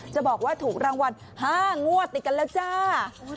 จะบอกว่าถูกรางวัล๕งวดติดกันแล้วจ้า